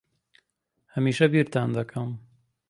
ھەمیشە بیرتان دەکەم.